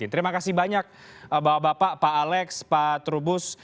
terima kasih banyak bapak bapak pak alex pak trubus